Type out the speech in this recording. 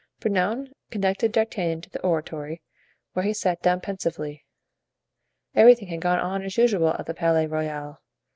Bernouin conducted D'Artagnan to the oratory, where he sat down pensively. Everything had gone on as usual at the Palais Royal.